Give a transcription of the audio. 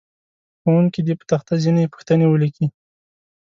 ښوونکی دې په تخته ځینې پوښتنې ولیکي.